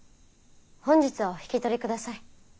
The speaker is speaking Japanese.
本日はお引き取りください。